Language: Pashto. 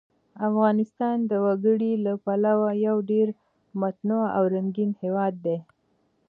افغانستان د وګړي له پلوه یو ډېر متنوع او رنګین هېواد دی.